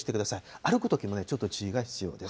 歩くときもちょっと注意が必要です。